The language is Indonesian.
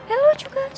eh lo juga cepat